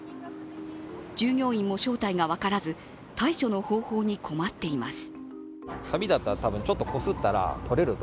従業員も正体が分からず、対処の方法に困っています。